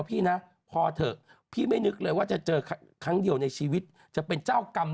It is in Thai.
พี่ต้องขอพอเถอะค่ะพี่คิดว่าจะมีการสเปสของนาง